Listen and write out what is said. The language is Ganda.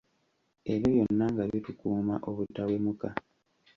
Ebyo byonna nga bitukuuuma obutawemuka.